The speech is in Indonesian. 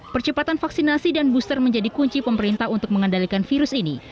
percepatan vaksinasi dan booster menjadi kunci pemerintah untuk mengendalikan virus ini